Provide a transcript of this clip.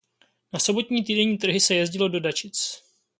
Na sobotní týdenní trhy se jezdilo do Dačic.